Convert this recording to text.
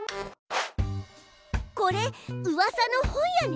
これうわさの本屋ね！